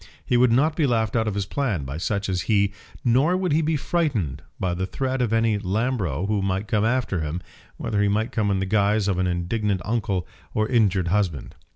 He would not be laughed out of his plan by such as he, nor would he be frightened by the threat of any Lambro who might come after him, whether he might come in the guise of indignant uncle or injured husband.